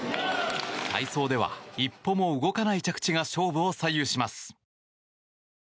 体操では一歩も動かない着地が勝負を左右します。